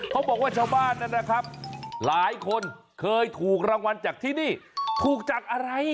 เขาบอกว่าชาวบ้านนั้นนะครับหลายคนเคยถูกรางวัลจากที่นี่ถูกจากอะไร